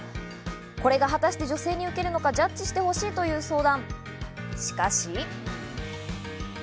これが果たして女性にウケるのか、ジャッジしてほしいという相談。